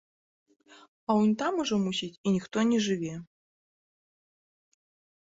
А унь там ужо, мусіць, і ніхто не жыве.